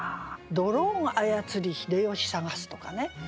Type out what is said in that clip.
「ドローン操り秀吉探す」とかね。